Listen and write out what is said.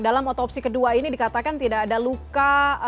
dalam otopsi kedua ini dikatakan tidak ada luka